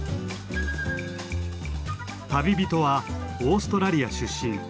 旅人はオーストラリア出身